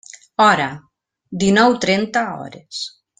Hora: dinou trenta hores.